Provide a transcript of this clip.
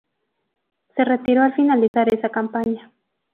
Se retiró al finalizar esa campaña.